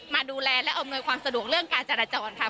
มาดูแลและอำนวยความสะดวกเรื่องการจราจรค่ะ